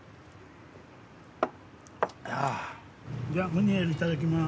じゃムニエルいただきます。